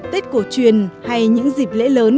tết cổ truyền hay những dịp lễ lớn